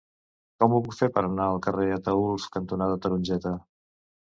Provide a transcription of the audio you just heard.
Com ho puc fer per anar al carrer Ataülf cantonada Tarongeta?